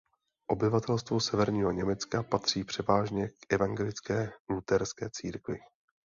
Obyvatelstvo severního Německa patří převážně k evangelické luterské církvi.